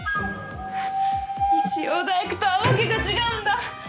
日曜大工とはわけが違うんだ。